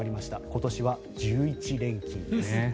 今年は１１連勤です。